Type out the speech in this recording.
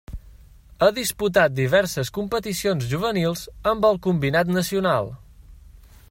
Ha disputat diverses competicions juvenils amb el combinat nacional.